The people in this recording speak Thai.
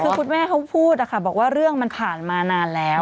คือคุณแม่เขาพูดนะคะบอกว่าเรื่องมันผ่านมานานแล้ว